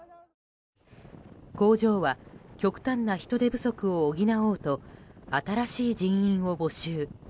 工場は極端な人手不足を補おうと新しい人員を募集。